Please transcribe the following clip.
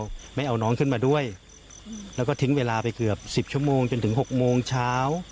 และถึงเวลาไปเกือบ๑๐ชั่วโมงจนถึง๖โมงเช้า